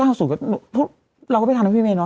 ๙๐แล้วเราก็ไม่ทันพี่เม้นเหรอ